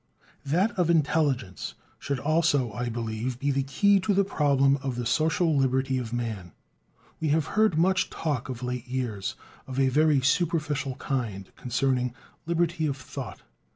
That of intelligence should also, I believe, be the key to the problem of the social liberty of man. We have heard much talk of late years, of a very superficial kind, concerning "liberty of thought."